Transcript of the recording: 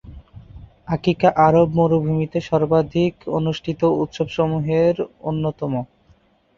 আকিকা আরব মরুভূমিতে সর্বাধিক অনুষ্ঠিত উৎসবসমূহের অন্যতম।